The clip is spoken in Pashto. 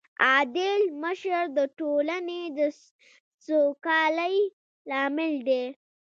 عادل مشر د ټولنې د سوکالۍ لامل دی.